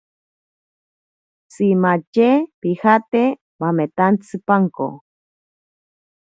Tsimatye pijate bametantsipanko.